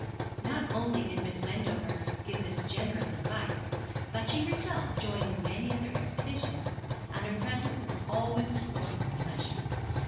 Not only did Miss Wendover give this generous advice, but she herself joined in many of their expeditions, and her presence was always a source of pleasure.